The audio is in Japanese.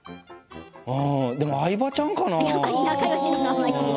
相葉ちゃんかな。